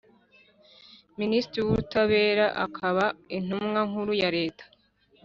Minisitiri w Uburabera akaba Intumwa Nkuru ya Leta